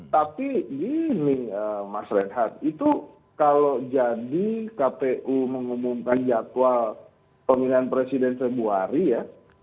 tapi gini mas reinhardt itu kalau jadi kpu mengumumkan jadwal pemilihan presiden februari ya